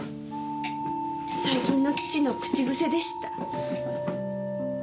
最近の父の口癖でした。